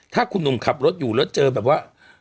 ถ้าคุณหนุ่มขับรถอยู่แล้วเจอแบบว่า